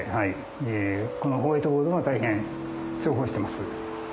このホワイトボードは大変重宝してます。